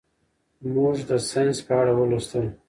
موږ د ساینس په اړه ولوستل.